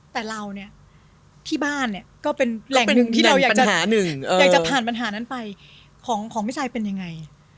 แต่เราเนี่ยที่บ้านเนี่ยก็เป็นแหล่งหนึ่งที่เราอยากจะผ่านปัญหานั้นไปของพี่ชายเป็นยังไง